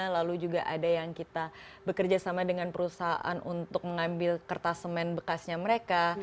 lalu juga ada yang kita bekerja sama dengan perusahaan untuk mengambil kertas semen bekasnya mereka